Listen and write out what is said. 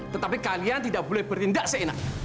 tetapi kalian tidak boleh bertindak seenak